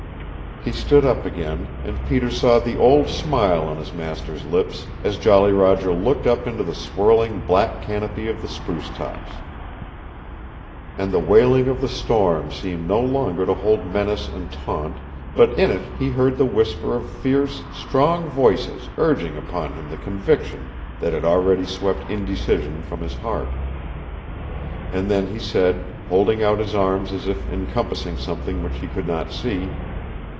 He stood up again, and Peter saw the old smile on his master's lips as Jolly Roger looked up into the swirling black canopy of the spruce tops. And the wailing of the storm seemed no longer to hold menace and taunt, but in it he heard the whisper of fierce, strong voices urging upon him the conviction that had already swept indecision from his heart. And then he said, holding out his arms as if encompassing something which he could not see.